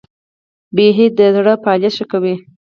بیهي د زړه فعالیت ښه کوي.